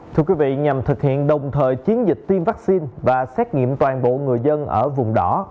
thưa quý vị nhằm thực hiện đồng thời chiến dịch tiêm vaccine và xét nghiệm toàn bộ người dân ở vùng đỏ